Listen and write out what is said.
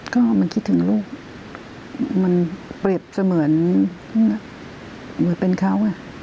ก็มันคิดถึงลูกมันเปรียบเสมือนเหมือนเป็นเขาไง